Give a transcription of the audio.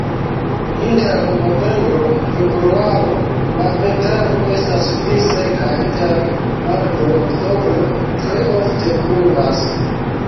Inter novembro-februaro la vetero estas pli seka, inter marto-oktobro tre ofte pluvas.